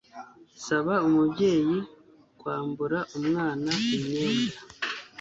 saba umubyeyi kwambura umwana imyenda